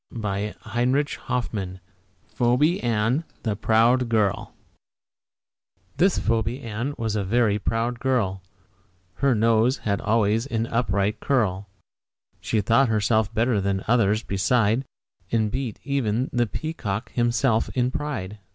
PHOEBE ANN, THE PROUD GIRL This Phoebe Ann was a very proud girl, Her nose had always an upward curl. She thought herself better than all others beside, And beat even the peacock himself in pride.